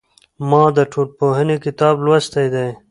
ما د ټولنپوهنې کتاب لوستلی دی.